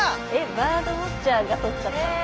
バードウォッチャーが撮っちゃった？